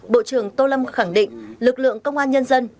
bộ trưởng tô lâm khẳng định lực lượng công an nhân dân